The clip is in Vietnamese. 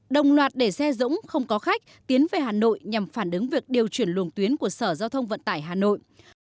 đồng loạt để xe dũng không có khách tiến về hà nội nhằm phản ứng việc điều chuyển luồng tuyến của sở giao thông vận tải hà nội